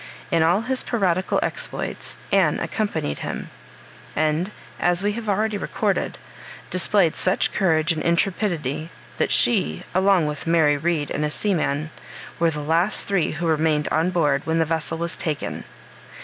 In all his piratical exploits Anne accompanied him; and, as we have already recorded, displayed such courage and intrepidity, that she, along with Mary Read and a seaman, were the last three who remained on board when the vessel was taken.